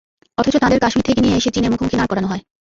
অথচ তাঁদের কাশ্মীর থেকে নিয়ে এসে চীনের মুখোমুখি দাঁড় করানো হয়।